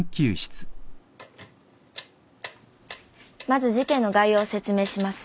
まず事件の概要を説明します。